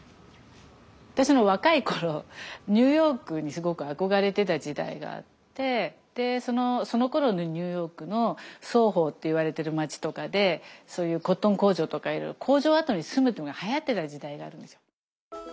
私が若い頃ニューヨークにすごく憧れてた時代があってそのころのニューヨークのソーホーっていわれてる街とかでコットン工場とか工場跡に住むというのがはやってた時代があるんですよ。